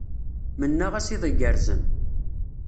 Mennaɣ-as iḍ igerrzen.